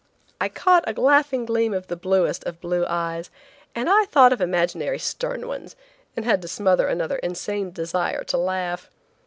I caught a laughing gleam of the bluest of blue eyes, and I thought of imaginary stern ones, and had to smother another insane desire to laugh.